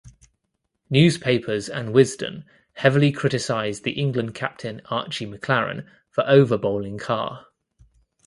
Newspapers and Wisden heavily criticised the England captain Archie MacLaren for over-bowling Carr.